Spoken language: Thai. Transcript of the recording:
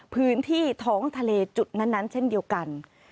พื้นที่ท้องทะเลจุดนั้นเช่นเดียวกัน